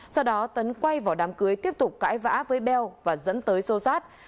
sau đó tấn quay vào đám cưới tiếp tục cãi vã với beo và dẫn tới sô sát